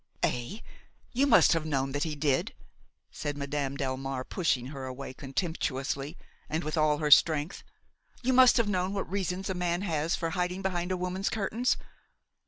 ""Eh! you must have known that he did!" said Madame Delmare, pushing her away contemptuously and with all her strength; "you must have known what reasons a man has for hiding behind a woman's curtains.